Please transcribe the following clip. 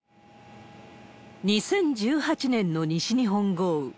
２０１８年の西日本豪雨。